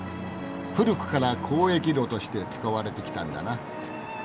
古くから交易路として使われてきたんだな。